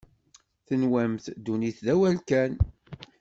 Tenwamt ddunit d awal kan.